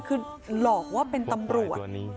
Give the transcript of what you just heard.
คือหลอกว่าเป็นตำรวจ